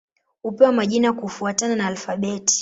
Hupewa majina kufuatana na alfabeti.